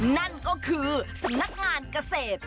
นั่นก็คือสำนักงานเกษตร